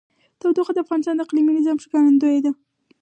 تودوخه د افغانستان د اقلیمي نظام ښکارندوی ده.